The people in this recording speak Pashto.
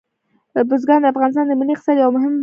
بزګان د افغانستان د ملي اقتصاد یوه مهمه برخه ده.